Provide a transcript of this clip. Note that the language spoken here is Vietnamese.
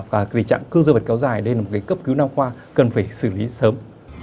và cái trạng cư dương vật kéo dài đây là một cái cấp cứu nam khoa cần phải xử lý sớm